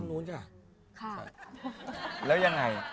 อันทั้งนู้นใช่ไหม